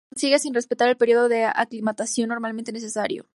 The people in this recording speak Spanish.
Lo consiguió sin respetar el periodo de aclimatación normalmente necesario.